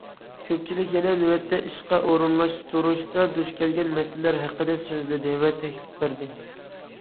كۆپچىلىك يەنە نۆۋەتتە ئىشقا ئورۇنلاشتۇرۇشتا دۇچ كەلگەن مەسىلىلەر ھەققىدە سۆزلىدى ۋە تەكلىپ بەردى.